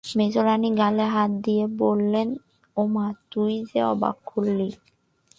মেজোরানী গালে হাত দিয়ে বললেন, ওমা, তুই যে অবাক করলি!